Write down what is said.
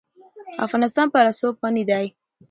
افغانستان په رسوب غني دی.